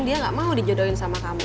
dia gak mau dijodohin sama kamu